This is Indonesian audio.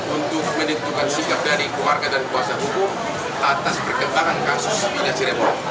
untuk menentukan sikap dari keluarga dan kuasa hukum atas perkembangan kasus dinas cirebon